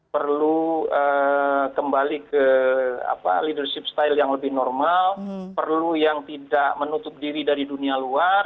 perlu kembali ke leadership style yang lebih normal perlu yang tidak menutup diri dari dunia luar